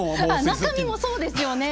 中身もそうですよね！